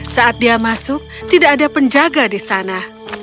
saat dia masuk tidak ada penjaga di sana